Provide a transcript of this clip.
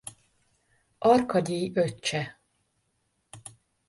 Arkagyij öccse.